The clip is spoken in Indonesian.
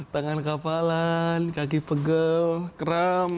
tangan kapalan kaki pegel kram